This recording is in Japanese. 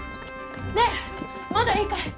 ねえまだいいかい？